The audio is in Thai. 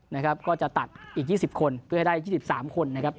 นะครับก็จะตัดอีก๒๐คนเพื่อให้ได้๒๓คนนะครับ